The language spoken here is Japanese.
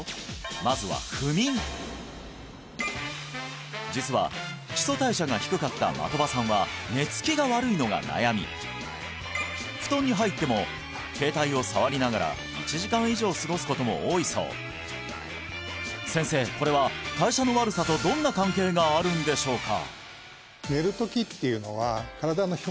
まずは不眠実は基礎代謝が低かったまとばさんは寝つきが悪いのが悩み布団に入っても携帯を触りながら１時間以上過ごすことも多いそう先生これは代謝の悪さとどんな関係があるんでしょうか？